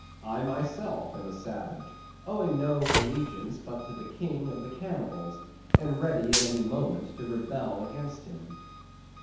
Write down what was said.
I myself am a savage, owning no allegiance but to the King of the Cannibals; and ready at any moment to rebel against him.